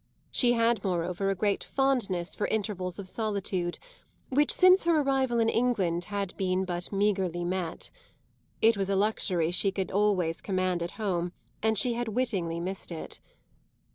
She had moreover a great fondness for intervals of solitude, which since her arrival in England had been but meagrely met. It was a luxury she could always command at home and she had wittingly missed it.